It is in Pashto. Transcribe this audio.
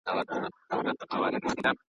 غرڅه لیري ځغلېدی تر ده د وړاندي .